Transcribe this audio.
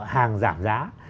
hàng giảm giá